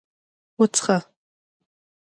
_وڅښه!